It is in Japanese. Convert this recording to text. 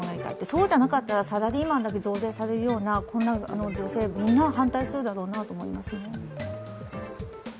そうじゃなかったら、サラリーマンだけ増税されるようじゃこんな税制、みんな反対するだろうなと思いますね。